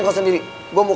aku sedang disuruh